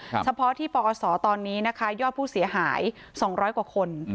เฉพาะที่ปอศตอนนี้นะคะยอดผู้เสียหาย๒๐๐กว่าคน